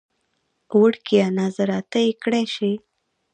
وړکیه ناظره ته یې کړی شې.